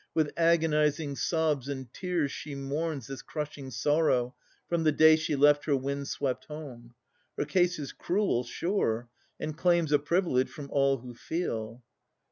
With agonizing sobs and tears she mourns This crushing sorrow, from the day she left Her wind swept home. Her case is cruel, sure, And claims a privilege from all who feel.